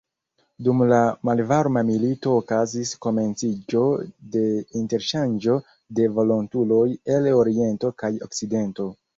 Dum la Malvarma Milito okazis komenciĝo de interŝanĝo de volontuloj el oriento kaj okcidento.